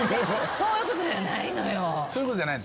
そういうことじゃない？